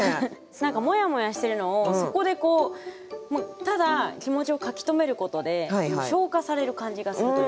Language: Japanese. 何かモヤモヤしてるのをそこでこうただ気持ちを書き留めることで消化される感じがするというか。